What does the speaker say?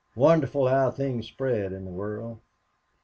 Wonderful how things spread in the world.